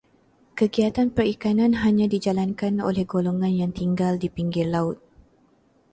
Kegiatan perikanan hanya dijalankan oleh golongan yang tinggal di pinggir laut.